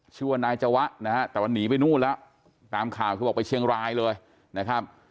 ชื่อว่านายจวะนะฮะแต่ว่าหนีไปนู่นแล้วตามข่าวคือบอกไปเชียงรายเลยนะครับ